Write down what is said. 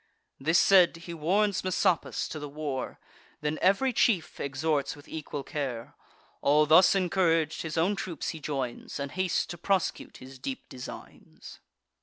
This said, he warns Messapus to the war, Then ev'ry chief exhorts with equal care. All thus encourag'd, his own troops he joins, And hastes to prosecute his deep designs.